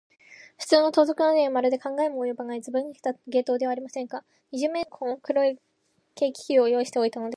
ふつうの盗賊などには、まるで考えもおよばない、ずばぬけた芸当ではありませんか。二十面相はまんいちのばあいのために、この黒い軽気球を用意しておいたのです。